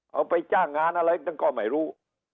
เอาไปจ้างงานอะไรตั้งก็ไม่รู้